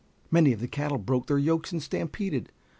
Many of the cattle broke their yokes and stampeded.